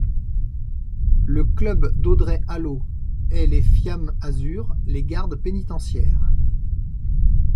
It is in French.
Le club d'Audrey Alloh est les Fiamme Azzurre, les gardes pénitentiaires.